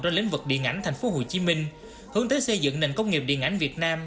trong lĩnh vực điện ảnh thành phố hồ chí minh hướng tới xây dựng nền công nghiệp điện ảnh việt nam